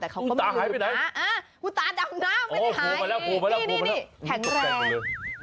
แต่เขาก็ไม่หายไปนะคุณตาดำน้ำไม่ได้หายนี่แข็งแรง